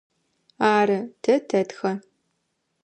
Ары, тэ тэтхэ.